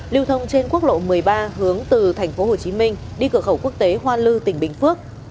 lưu thông trên quốc lộ một mươi ba hướng từ tp hcm đi cửa khẩu quốc tế hoa lư tỉnh bình phước